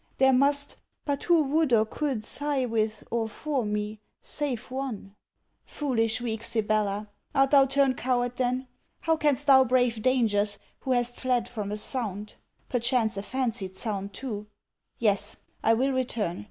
There must but who would or could sigh with or for me, save one? Foolish, weak Sibella! Art thou turned coward then? How can'st thou brave dangers, who hast fled from a sound? Perchance a fancied sound too! Yes, I will return.